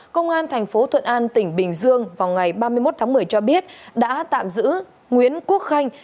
công an thành phố thuận an tỉnh bình dương vào ngày ba mươi một tháng một mươi cho biết đã tạm giữ nguyễn quốc khanh